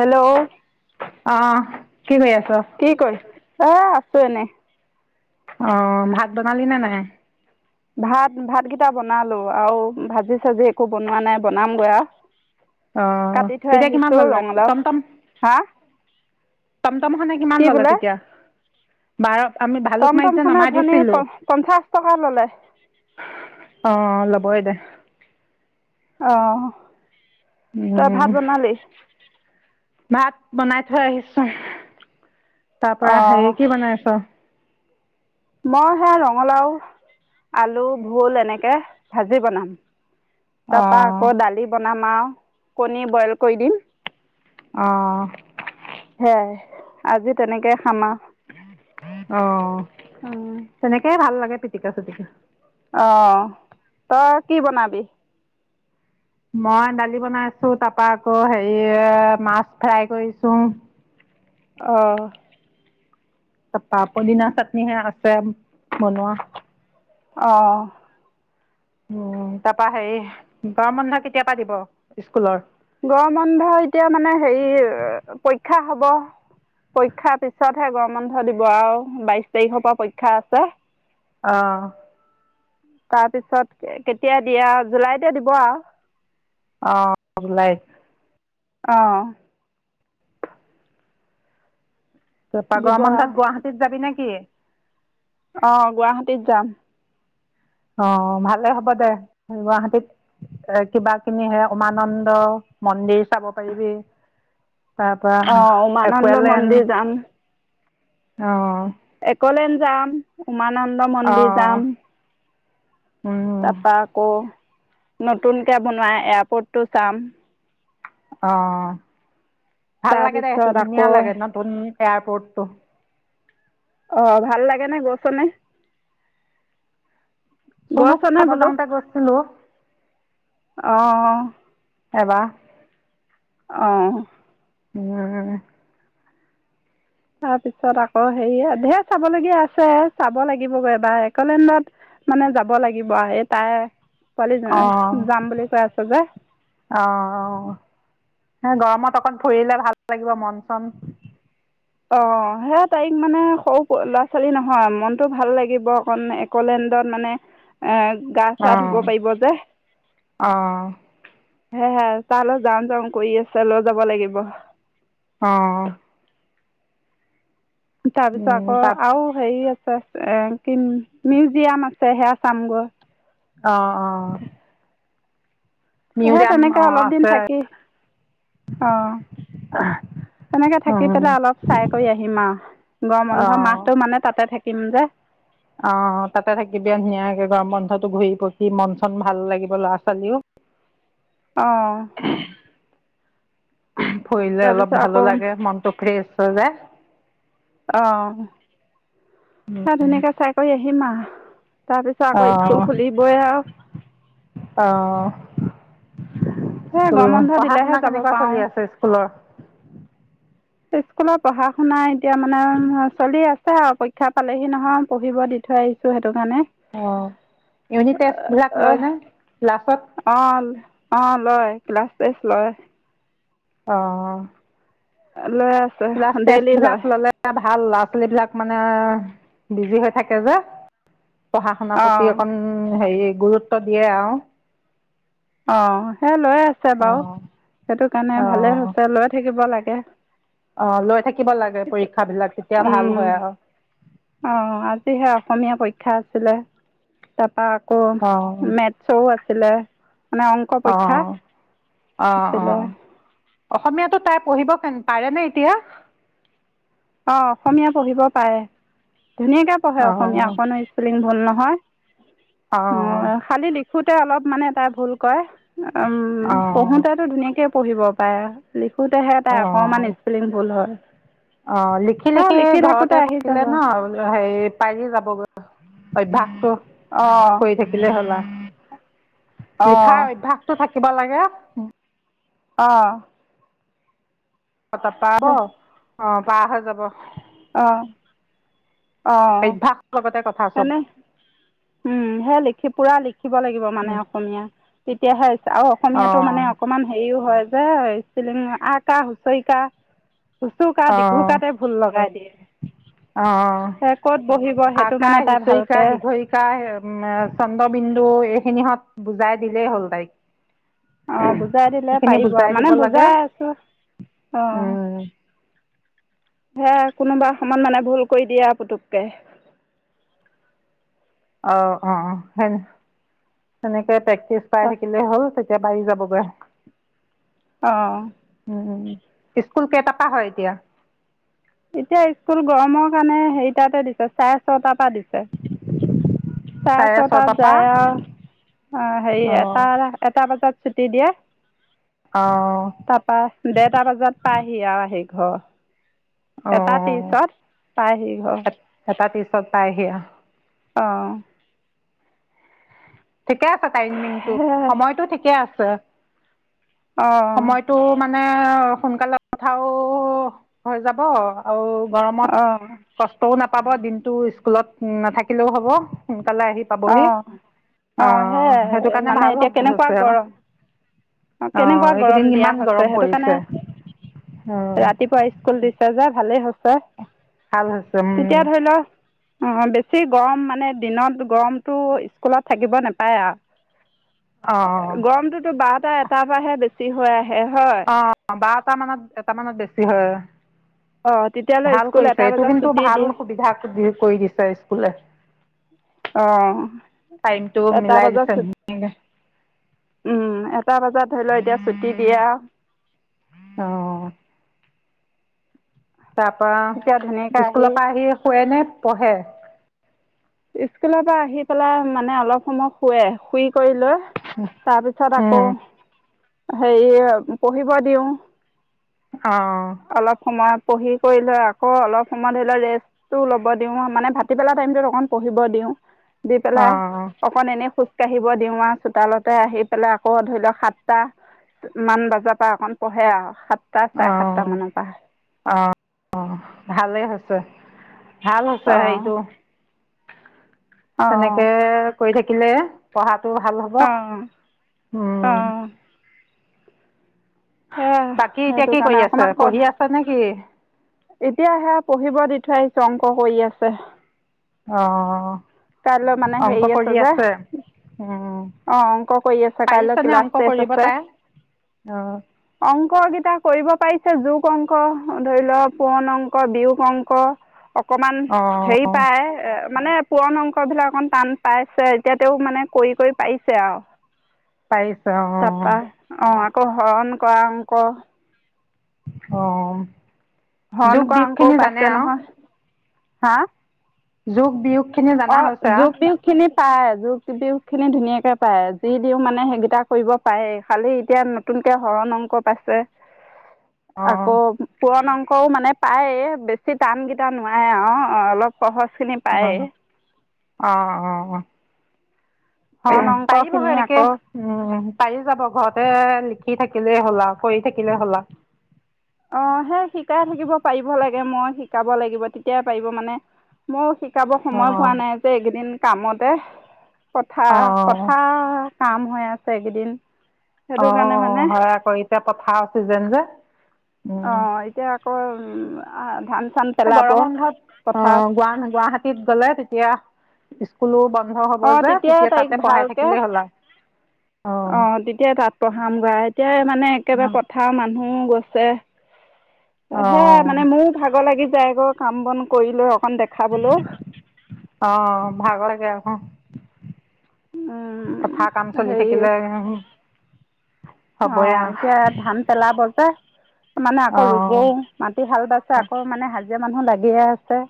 Hello. অ', কি কৰি আছ? কি কয় এই আছোঁ এনেই। অ', ভাত বনালিনে নাই? ভাত ভাতকেইটা বনালো আৰু ভাজি চাজি একো বনোৱা নাই বনামগৈ আৰু। অ', কাটি থৈ তেতিয়া কিমান আহিছো ল'লে ৰঙালাও টমটম হা টমটমখনে কিমান কি ল'লে বোলে তেতিয়া? বাৰ আমি ভালুক মাৰি যে টমটমখনে নমাই অথনি দিছিলো। প পঞ্চাছ টকা ল'লে অ', ল'বই দে। অ'। উম। ভাত বনাই থৈ আহিছো, তাৰ পৰা অঁ হেৰি কি বনাইছ? মই সেয়া ৰঙালাও আলু ভূল এনেকে ভাজি বনাম। তাৰপা অঁ আকৌ দালি বনাম আৰু কণী বইল কৰি দিম। অ'। সেয়াই আজি তেনেকে খাম আৰু। অ', তেনেকেই ভাল লাগে পিটিকা চিটকা। অ', তই কি বনাবি? মই দালি বনাইছো তাৰ পৰা আকৌ হেৰি মাছ ফ্ৰাই কৰিছো। অ'। তাৰাপা পদিনা চাটনিহে আছে বনোৱা। অ'। উম, তাৰপা হেৰি গৰম বন্ধ কেতিয়াৰ পৰা স্কুলৰ? গৰম বন্ধ এতিয়া মানে হেৰি পৰীক্ষা হ'ব। পৰীক্ষাৰ পিছতহে গৰম বন্ধ দিব আৰু বাইশ তাৰিখৰ পৰা পৰীক্ষা আছে। অঁ। তাৰপিছত কেতিয়া দিয়া জুলাইতে দিব আও। অঁ, জুলাইত। অঁ। তাপা দিব গৰম আৰু বন্ধত গুৱাহাটীত যাবি নেকি? অঁ, গুৱাহাটীত যাম। অঁ ভালে হ'ব দে, গুৱাহাটীত এ কিবা কিনিহে উমানন্দ মন্দিৰ চাব পাৰিবি। তাৰ পৰা অ', উমানন্দ মন্দিৰ যাম। একুৱালেণ্ড আহ একলেণ্ড যাম, উমানন্দ অঁ মন্দিৰ যাম। তাৰপৰা আকৌ নতুনকৈ বনোৱা এয়াৰপৰ্টটো চাম। অঁ ভাল লাগে দে, সেইটো তাৰপিছত ধুনীয়া আকৌ লাগে নতুন এয়াৰপৰ্টটো। অঁ ভাল লাগে নে গৈছ নে? চুনুক গইছ নে চাব বোলো, যাওঁতে গৈছিলোঁ অঁহ। চাবা। অঁ। উম। তাৰ পিছত আকৌ হেৰি ধেৰ চাবলগীয়া আছে, চাব লাগিব এবাৰ একলেণ্ডত মানে যাব লাগিব আও, সেই তাই পোৱালি অঁ অঁ যাম বুলি কৈ আছে যে। অঁ হে গৰমত অকণ ফুৰিলে ভাল লাগিব মন চন। অঁ সেয়া তাইক মানে সৰু ল'ৰা ছোৱালী নহয়, মনতটো ভাল লাগিব অকণ অকলেণ্ডত মানে এ গা চা ধুব অ', পাৰিব যে। অ', হে হে তাৰলে যাওঁ যাওঁ কৰি আছে লৈ যাব লাগিব। অঁ। তাৰ পিছত উম, আকৌ তাত আৰু হেৰি আছে এ মিউজিয়াম আছে সেয়া চাম গৈ। অঁ অঁ। হে তেনেকে অ', অলপ দিন আছে থাকি অঁ। তেনেকে থাকি উম, পেলাই অলপ চাই কৰি আহিম আও। গৰম বন্ধ অ', মাহটো মানে তাতে থাকিম যে। অঁ তাতে থাকিবি ধুনীয়াকে গৰম বন্ধতটো ঘূৰি পকি মন চন ভাল লাগিব ল'ৰা ছোৱালীও। অঁ। ফুৰিলে অলপ তাৰপিছত আকৌ ভালো লাগে মনতটো ফ্ৰেছ হৈ যায়। অঁহ, মই ধুনীয়াকে চাই কৰি আহিম আও। তাৰপিছত আকৌ স্কুল খুলিবই আও। অঁ, সেই স্কুল গৰম বন্ধ পঢ়া দিলেহে শুনা যাব কেনেকুৱা চলি পাৰোঁ আছে স্কুলৰ? স্কুলত পঢ়া শুনা এতিয়া মানে চলি আছে আও পৰীক্ষা পালেহি নহয় পঢ়িব দি থৈ আহি ছো সেইটোকাৰণে। অঁ, ইউনিট টেষ্ট বিলাক লয় নে ক্লাছত? অঁ অঁ লয় ক্লাছ টেষ্ট লয়। অঁ। লৈ ক্লাছ টেষ্ট ডেইলি বিলাক লয় ললে ভাল ল'ৰা ছোৱালী বিলাক মানে বিজি হৈ থাকে যে। পঢ়া শুনাৰ অঁ প্ৰতি অকণ হেৰি গুৰুত্ব দিয়ে আও। অঁ সেই লৈ আছে বাৰু, সেইটো কাৰণে অ ভালে হৈছে লৈ থাকিব লাগে। অঁ, লৈ থাকিব লাগে পৰীক্ষা বিলাক তেতিয়া ভাল হয় আও। অঁ আজি হে অসমীয়া পৰীক্ষা আছিলে, তাৰপা আকৌ অ মেথ চৰো, আছিলে মানে অং অঁ, অঁ অঁ। অসমীয়াতো তাই পঢ়িব কে পাৰে নে এতিয়া? অঁ অসমীয়া পঢ়িব পাৰে, ধুনীয়াকে পঢ়ে অ অসমীয়া অকণ স্পেলিং ভুল নহয়, অ খালি লিখোতে অলপ মানে তাই ভুল কয়। উম অ পঢ়োঁতেতো ধুনীয়াকেই পঢ়িব পাৰে। লিখোঁতেহে তাই অ অকণমান স্পেলিং ভুল হয়। অ লিখি লিখি থাকোঁতে ঘৰতে আহি যাব থাকিলে ন হেৰি পাৰি যাবগৈ। অভ্যাসটো কৰি থাকি কিলে হল আ, অঁ লিখাৰ অঁ অভ্যাসটো থাকিব লাগে। অ'। অ', তাৰ পাব অঁ অ', পাৰ হৈ যাব। অঁ'। অঁ অভ্যাস লগতে কথা চব। তেনে উম সে লিখি পোৰা লিখিব লাগিব মানে উম অসমীয়া। তেতিয়াহে আৰু অ অসমীয়াতো মানে অকমান হেৰিও হয় যে স্পেলিং, আ কাহ হুঁচৰিকা, উচুকা অ দীঘুকাতে ভুল লগাই দিয়ে, অ সে ক'ত বহিব সেইটো মানে তাই ভালকে চাই এ চন্দ্ৰবিন্দু এইখিনিহত বুজাই দিলেই হ'ল তাইক। অঁ বুজাই দিলে সেইখিনি পাৰিব আৰু দিব মানে লাগে বুজাই আছোঁ উম। হে কোনোবা সমান মানে ভুল কৰি দিয়ে আ পুতুককে। অঁ অঁ সে সেনেকে প্ৰেক্টিচ কৰাই থাকিলে হ'ল। তেতিয়া পাৰি যাবগৈ। অঁ'। উম, স্কুল কেইটা পৰা হয় এতিয়া? এতিয়া স্কুল গৰমৰ কাৰণে হেৰিটাতে দিছে চাৰে ছটা পৰা দিছে। চাৰে ছটাত ছটাৰ পৰা যায় আৰু অ হেৰি এটা এটা বজাত ছুটি দিয়ে। অঁ'। তাৰপৰা দেৰটা বজাত পাইহি আও আহি ঘৰ। এটা অ তিশ অ ত পায়হি ঘৰ। এট- এটা তিশ ত পাইহি অঁ। অঁ'। ঠিকে আছে টাইমিংটো, সেয়াই সময়টো ঠিকে আছে। অঁ। তোৰ মানে সোনকালে কথাও হৈ যাব আৰু গৰমত অ কষ্টও নাপাব দিনটো স্কুলত নাথাকিলেও হ'ব, সোনকালে আহি পাবহি অঁ অঁ সেইটো সেয়াই কাৰণে মানে ভাল এতিয়া হ'ব- কেনেকুৱা হৈছে আৰু গৰম! অঁ, কেনেকুৱা গৰম এইকেইদিন দিয়া ইমান হৈছে, গৰম সেইটো কাৰণে পৰিছে অ' ৰাতিপুৱা স্কুল দিছে যে ভালেই হৈছে, ভাল হৈছে তেতিয়া ধৰি ল অঁ বেছি গৰম মানে দিনত গৰমটো স্কুলত থাকিব নেপায় আও। অঁ গৰমটোতো বাৰটা এটাৰ পৰা বেছি আহে হয়। অ', বাৰটা মানত এটা মানত বেছি হয়। অ তেতিয়া ভাল কৰিছে এইটো কিন্তু ভাল সুবিধা দি কৰি দিছে স্কুলে। অ', টাইমটো এটা মিলাই বজাত দিছে ছুট ধুনীয়াকে উম, এটা বজাত ধৰি ল এতিয়া ছুটি দিয়া। অ'। তাৰ পৰা তেতিয়া ধুনীয়াকৈ স্কুলৰ পৰা আহি শুৱে নে পঢ়ে? স্কুলৰ পৰা আহি পেলাই মানে অলপ সময় শুৱে, শুই কৰি লৈ তাৰপিছত উম আকৌ হেৰি পঢ়িব দিওঁ। অ'। অলপ সময় পঢ়ি কৰি লৈ আকৌ অলপ সময় ধৰি ল ৰেষ্ট টো ল'ব দিওঁ, মানে ভাতি বেলা টাইমটোত অকন পঢ়িব দিও। দি অ পেলাই অকণ এনেই খোজকাঢ়িব দিওঁ আৰু চোতালতে আহি পেলাই আকৌ ধৰি লওক সাতটা মান বজাৰ পৰা অকন পঢ়ে আৰু সাতটা অ চাৰে সাতটা মানৰ পৰা। অ ভালেই হৈছে, ভাল হৈছে অঁ সেইটো। অঁ তেনেকে কৰি থাকিলে পঢ়াটো ভাল হ'ব, অঁ উম। অঁ সেয়া বাকী এতিয়া সেইটো কি কাৰণে কৰি আছে অকণমান কষ্ট পঢ়ি আছ নে কি? এতিয়া সেয়া পঢ়িব দি থৈ আহিছো অংক কৰি আছে। অ', কাইলৈ মানে হেৰি অংক কৰি যে আছে? উম, অঁ অংক কৰি আছে কাইলৈ পাৰিছনে ক্লাছ অংক টেষ্ট কৰিব আছে তাই? অ'। অংককেইটা কৰিব পাৰিছে, যোগ অংক ধৰি লওক পুৰণ অংক বিয়োগ অংক। অকণমান অ হেৰি পায়, মানে পুৰণ অং ক বিলাক অকমান টান পাইছে, এতিয়া তেওঁ মানে কৰি কৰি পাৰিছে আৰু। পাৰিছে তাৰপা অ অ' আকৌ হৰণ কৰা অংক। অ'। হৰণ যোগ কৰা বিয়োগ অংকও খিনি জানে পাইছ আৰু নহয় হা। যোগ বিয়োগ। খিনি জানা অ', হৈছে আৰু যোগ বিয়োগ খিনি পাৰে, যোগ বিয়োগখিনি ধুনীয়াকৈ পাৰে, যি দিওঁ মানে সেইকেইটা কৰিব পাৰে। খালি এতিয়া নতুনকে হৰণ অংক পাইছে, অ আকৌ পুৰণ অংকও মানে পাৰে, বেছি টানকেইটা নোৱাৰে আৰু অলপ সহজখিনি পায়েই অ', অ', অ'। হৰণ পাৰিব অংকখিনি হেই এনেকে আকৌ উম, পাৰি যাব ঘৰতে লিখি থাকিলেই হ'ল আৰু পঢ়ি থাকিলে হ'ল আৰু। অ', সেই শিকাই থাকিব পাৰিব লাগে, মই শিকাব লাগিব তেতিয়াই পাৰিব মানে। মই শিকাব সময় আৰু পোৱা নাই যে এইকেইদিন কামতে। পথাৰ অ অ পথাৰৰ কাম হৈ আছে এই কেইদিন। অ', হয় আকৌ এতিয়া পথাৰৰ চিজিন যে। উম অ', এতিয়া আকৌ উ ধান চান পেলাব গৰম বন্ধত পথাৰত অ' গুৱা গুৱাহাটীত গ'লে তেতিয়া স্কুলো বন্ধ হ'ব অঁ যে তেতিয়াই তেতিয়া তাইক তাতে পঢ়াই থাকিলেই হ'ল আৰু। অ' তেতিয়াই তাত পঢ়ামগে আৰু, এতিয় মানে একেবাৰে পথ থাৰৰ মানুহও গৈছে, অ সেয়া মানে মোক ভাগৰ লাগি যায় আকৌ কাম বন কৰি লৈ অকন দেখাবলৈও। অ' ভাগ লাগে হ'। উম, পথাৰৰ কাম চলি হেৰি থাকিলে ওহু। অ', এতিয়া ধান পেলাব যে। মানে অ আকৌ ৰুবওঁ, মাটি হাল বাইছে আকৌ মানে হাজিৰা মানুহ লাগিয়ে আছে।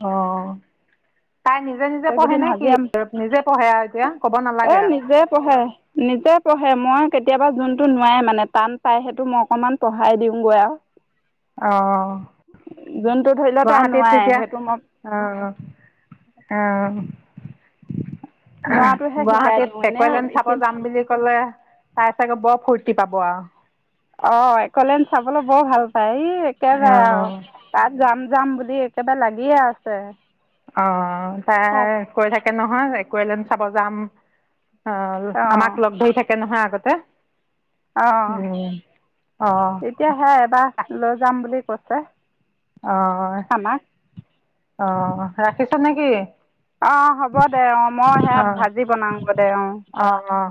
অ'। তাই নিজে, নিজে পঢ়ে এইকেইদিন নে কি, হাজিৰা নিজে পঢ়ে আৰু এতিয়া ক'ব এই নালাগে আৰু। নিজে পঢ়ে। নিজে পঢ়ে, মই কেতিয়াবা যোনটো নোৱাৰে, মানে টান পাই সেইটো মই অকনমান পঢ়াই দিওঁগৈ আৰু। অ যোনটো ধৰি ল' তাই নোৱাৰে সেইটো মই আ', আ'। আ', আ'। নোৱাৰাটোহে শিকাই গুৱাহাটীত দিওঁ এনেই এক'লেণ্ড চাব এইখিনি যাম বুলি ক'লে। তাই চাগে বৰ ফূৰ্তি পাব আৰু। অ' এক'লেণ্ড চাবলৈ বৰ ভাল পায়, ই একে বাই অ আৰু। তাত যাম, যাম বুলি একেবাৰে লাগিয়ে আছে। অ', তাই তাত কৈ নহয়, এক'লেণ্ড চাব যাম। আৰু অঁ আমাক লগ ধৰি থাকে নহয় আগতে। অ', উম, অ', এতিয়া সেই এবাৰ লৈ যাম বুলি কৈছে। অ', আমাক অহ', ৰাখিছা নে কি। অ', অ', হ'ব দে, অ' মই সেয়া ভাজি বনাওঁগে দে অ'। অঁ অঁ